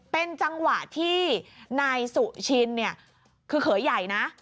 เป็นจังหวะที่นายสุชินเนี่ยคือเขยใหญ่นะ